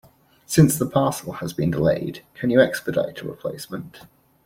Since the parcel has been delayed, can you expedite a replacement?